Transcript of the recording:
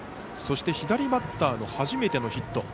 そして、左バッターの初めてのヒット。